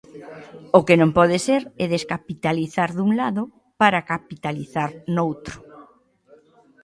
O que non pode ser é descapitalizar dun lado para capitalizar noutro.